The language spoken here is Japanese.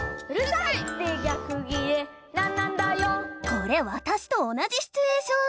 これわたしと同じシチュエーション！